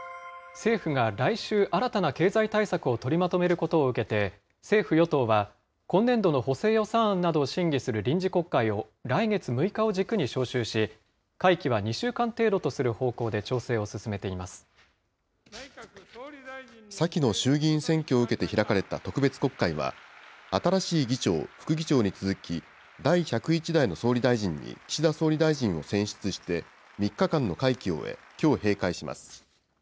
政府が来週、新たな経済対策を取りまとめることを受けて、政府・与党は今年度の補正予算案などを審議する臨時国会を、来月６日を軸に召集し、会期は２週間程度とする方向で調整を進めてい先の衆議院選挙を受けて開かれた特別国会は、新しい議長、副議長に続き、第１０１代の総理大臣に岸田総理大臣を選出して、３日間の会期を終え、きょう閉会します。